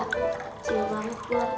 mau dispensa bakal pecing kugandhad